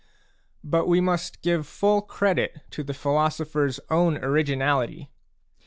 But we must give full credit to the philosophers own originality.